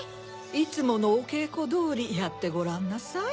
いつものおけいこどおりやってごらんなさい。